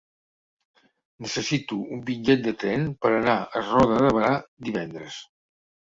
Necessito un bitllet de tren per anar a Roda de Berà divendres.